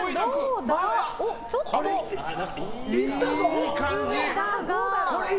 いい感じ！